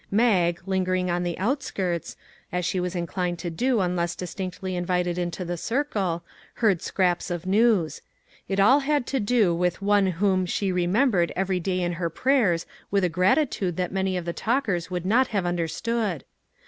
Mag, lingering on the outskirts, as she was inclined to do unless distinctly invited into the circle, heard scraps of news. It all had to do with one whom she remembered every day in her prayers with a gratitude that many of the talkers would not have understood.